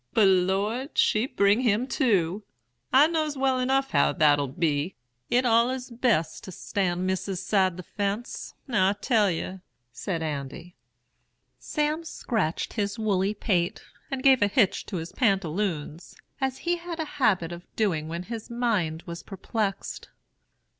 But, Lor! she'll bring him to. I knows well enough how that'll be. It's allers best to stand Missis's side the fence, now I tell yer,' said Andy. "Sam scratched his woolly pate, and gave a hitch to his pantaloons, as he had a habit of doing when his mind was perplexed.